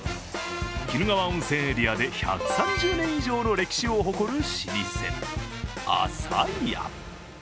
鬼怒川温泉エリアで１３０年以上の歴史を誇る老舗、あさや。